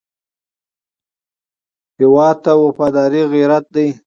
هېواد ته وفاداري غیرت دی